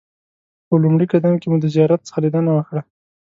په لومړي قدم کې مو د زیارت څخه لیدنه وکړه.